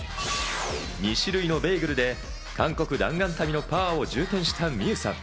２種類のベーグルで韓国弾丸旅のパワーを充填した望結さん。